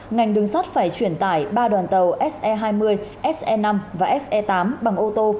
ngành đường sắt phải chuyển tải ba đoàn tàu se hai mươi se năm và se tám bằng ô tô